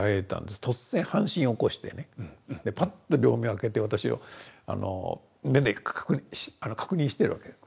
突然半身起こしてねパッと両目を開けて私を目で確認してるわけです。